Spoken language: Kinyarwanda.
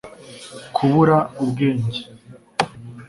kubura ubwenge